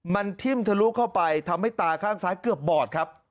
มันทิ่มทะลุเข้าไปทำให้ตาข้างซ้ายเกือบบอดครับ